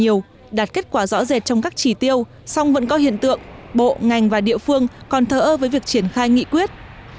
những kết quả rõ rệt trong các chỉ tiêu song vẫn có hiện tượng bộ ngành và địa phương còn thở ơ với việc triển khai nghị quyết